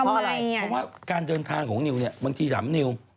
เพราะว่าการเดินทางของนิวเนี่ยบางทีหลำนิว